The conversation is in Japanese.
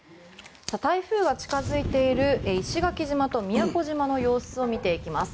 台風が近づいている石垣島と宮古島の様子を見ていきます。